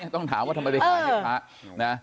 ต้องถามว่าทำไมไปขายให้พระนะ